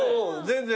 全然。